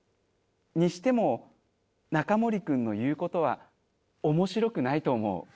にしてもナカモリ君の言う事は面白くないと思う。